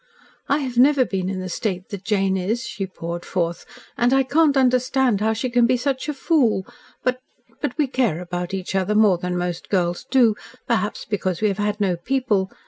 "I have never been in the state that Jane is," she poured forth. "And I can't understand how she can be such a fool, but but we care about each other more than most girls do perhaps because we have had no people.